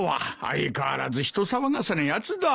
相変わらず人騒がせなやつだ。